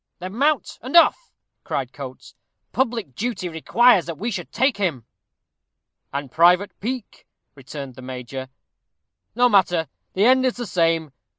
"Then mount, and off," cried Coates. "Public duty requires that we should take him." "And private pique," returned the major. "No matter! The end is the same.